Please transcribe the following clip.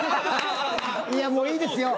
いやもういいですよ。